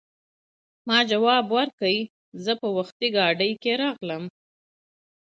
ما ځواب ورکړ: زه په وختي اورګاډي کې راغلم.